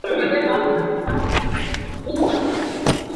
mvua zinaanza kunyesha katika mwezi wa kumi na moja